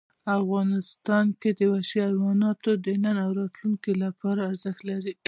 افغانستان کې وحشي حیوانات د نن او راتلونکي لپاره ارزښت لري.